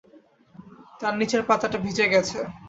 তার নীচের পাতাটা ভিজে গেছে।